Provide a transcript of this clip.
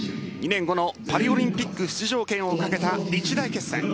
２年後のパリオリンピック出場権を懸けた一大決戦。